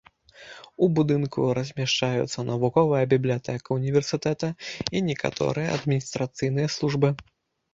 У будынку размяшчаюцца навуковая бібліятэка ўніверсітэта і некаторыя адміністрацыйныя службы.